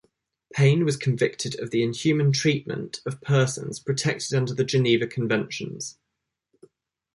Payne was convicted of the inhuman treatment of persons protected under the Geneva Conventions.